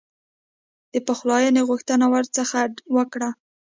د پخلایني غوښتنه ورڅخه وکړه.